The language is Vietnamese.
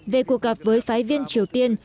về cuộc gặp với phái viên triều tiên